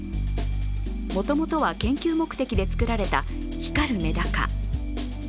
もともとは研究目的で作られた光るメダカ。